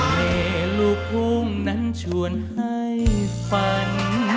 แม่ลูกพุ่งนั้นชวนให้ฝัน